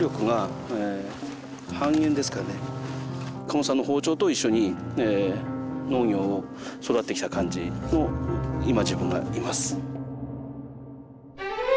加茂さんの包丁と一緒に農業を育ってきた感じの今自分がいます。